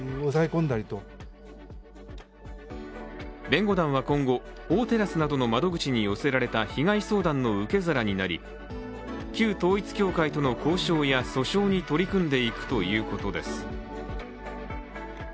弁護団は今後、法テラスなどの窓口に寄せられた被害相談の受け皿になり旧統一教会との交渉や訴訟に取り組んでいくということです。